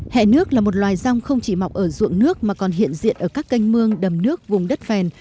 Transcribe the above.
hẹ nước là một loài rong không chỉ mọc ở ruộng nước mà còn hiện diện ở các canh mương đầm nước vùng đất phèn